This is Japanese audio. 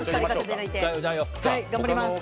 はい頑張ります。